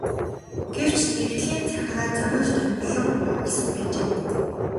Гэвч нэгдлийн захиргаа зориуд томилон явуулсан байжээ.